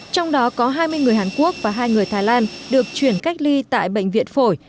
trong đó có hai mươi người hàn quốc và hai người thái lan được chuyển cách ly tại bệnh viện phổi